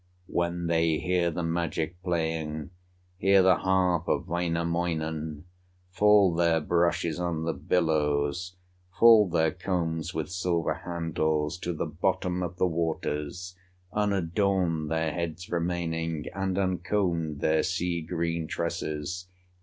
When they hear the magic playing, Hear the harp of Wainamoinen, Fall their brushes on the billows, Fall their combs with silver handles To the bottom of the waters, Unadorned their heads remaining, And uncombed their sea green tresses.